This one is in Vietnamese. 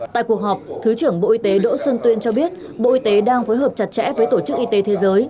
tại cuộc họp thứ trưởng bộ y tế đỗ xuân tuyên cho biết bộ y tế đang phối hợp chặt chẽ với tổ chức y tế thế giới